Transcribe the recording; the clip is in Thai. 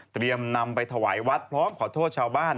นำไปถวายวัดพร้อมขอโทษชาวบ้าน